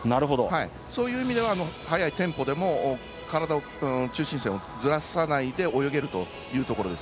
そういう意味では速いテンポでも、体の中心線をずらさないで泳げます。